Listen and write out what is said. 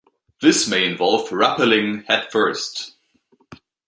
This may involve rappelling head-first.